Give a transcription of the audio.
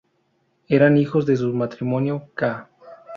Eran hijos de su matrimonio ca.